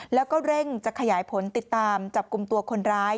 แล้วก็เร่งจะขยายผลติดตามจับกลุ่มตัวคนร้าย